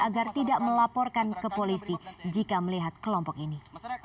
agar tidak melaporkan ke polisi jika melihat kelompok ini